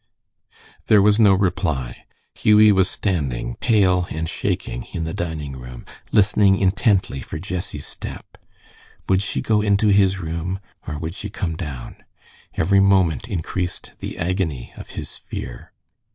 There was no reply. Hughie was standing, pale and shaking, in the dining room, listening intently for Jessie's step. Would she go into his room, or would she come down? Every moment increased the agony of his fear.